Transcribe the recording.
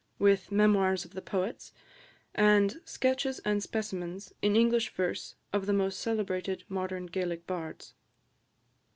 WITH Memoirs of the Poets, AND SKETCHES AND SPECIMENS IN ENGLISH VERSE OF THE MOST CELEBRATED MODERN GAELIC BARDS.